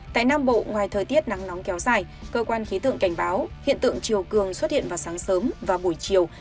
tại nam bộ ngoài thời tiết nắng nóng kéo dài cơ quan khí tượng cảnh báo hiện tượng chiều cường xuất hiện vào sáng sớm và buổi chiều